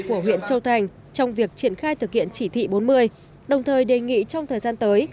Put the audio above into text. của huyện châu thành trong việc triển khai thực hiện chỉ thị bốn mươi đồng thời đề nghị trong thời gian tới